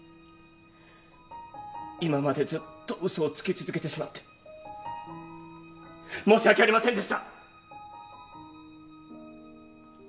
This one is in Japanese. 今までずっとうそをつき続けてしまって申し訳ありませんでした。